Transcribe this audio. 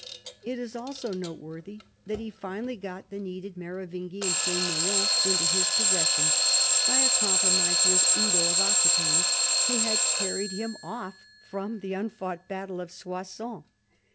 It is also noteworthy that he finally got the needed Merovingian /"timcan^ into his possession by a compromise with Eudo of Aquitaine who had carried him off from the un fought battlefield of Soissons.